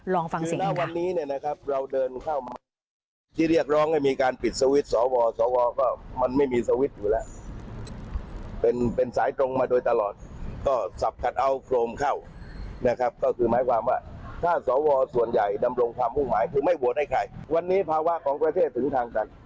ลองฟังเสียงดีกว่า